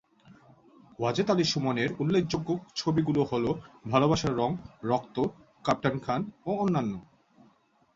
ওয়াজেদ আলী সুমন এর উল্লেখ্যযোগ্য ছবিগুলো হল ভালোবাসার রঙ, রক্ত, ক্যাপ্টেন খান ও অন্যান্য।